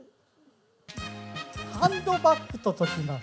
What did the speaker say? ハンドバッグと解きます。